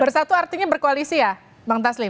bersatu artinya berkoalisi ya bang taslim